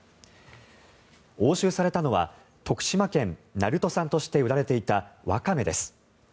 押収されたのは徳島県鳴門産として売られていたワカメです。